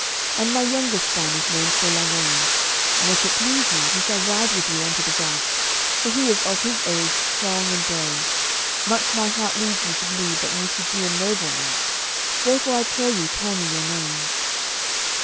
And my youngest son is named Sir Lavaine, and if it please you, he shall ride with you unto the jousts, for he is of his age strong and brave. Much my heart leads me to believe that ye should be a noble knight; therefore I pray you tell me your name."